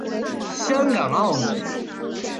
香港澳门